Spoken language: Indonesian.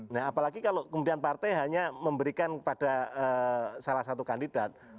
nah apalagi kalau kemudian partai hanya memberikan kepada salah satu kandidat